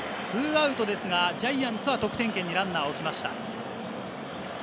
２アウトですがジャイアンツは得点圏にランナーを置きました。